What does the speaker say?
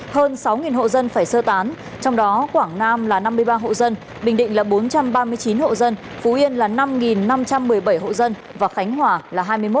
hơn sáu hộ dân phải sơ tán trong đó quảng nam là năm mươi ba hộ dân bình định là bốn trăm ba mươi chín hộ dân phú yên là năm năm trăm một mươi bảy hộ dân và khánh hòa là hai mươi một